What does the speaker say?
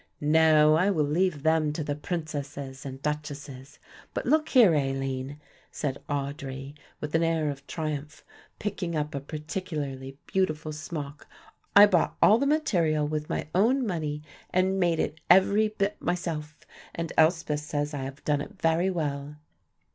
"No, I will leave them to the princesses and duchesses. But look here, Aline," said Audry, with an air of triumph, picking up a particularly beautiful smock, "I bought all the material with my own money and made it every bit myself, and Elspeth says I have done it very well."